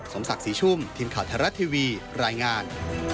สมศักดิ์สีชุ่มทีมข่าวทะเลาะทีวีรายงาน